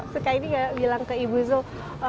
sekali ini ya bilang ke ibu zul